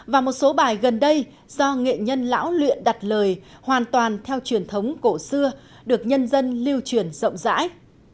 và một số bài gần đây do nghệ nhân lão luyện đặt lời hoàn toàn theo truyền thống cổ xưa được nhân dân lưu truyền rộng rãi